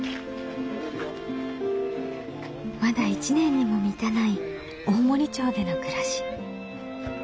まだ１年にも満たない大森町での暮らし。